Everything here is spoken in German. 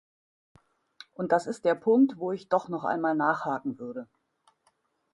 Und das ist der Punkt, wo ich doch noch einmal nachhaken würde.